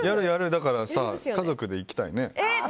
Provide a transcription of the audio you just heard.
だから家族で行きたいね。